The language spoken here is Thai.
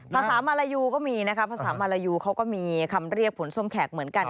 ภาษามลยมีนะครับภาษามลยเขาก็มีคำเรียกผลทรมแขกเหมือนกัน